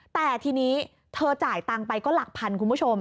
แต่ทีนี้เธอจ่ายตังค์ไปก็หลักพันคุณผู้ชม